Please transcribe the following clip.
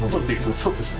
そうですね